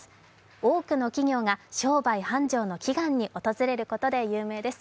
多くの企業が商売繁盛の祈願に訪れることで有名です。